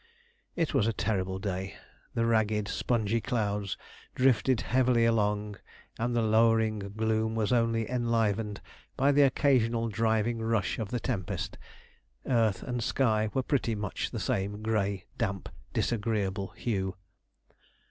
It was a terrible day; the ragged, spongy clouds drifted heavily along, and the lowering gloom was only enlivened by the occasional driving rush of the tempest. Earth and sky were pretty much the same grey, damp, disagreeable hue.